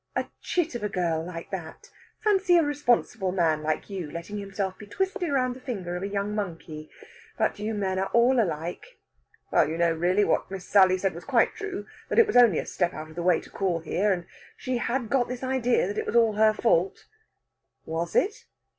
"A chit of a girl like that! Fancy a responsible man like you letting himself be twisted round the finger of a young monkey. But you men are all alike." "Well, you know, really, what Miss Sally said was quite true that it was only a step out of the way to call here. And she had got this idea that it was all her fault." "Was it?"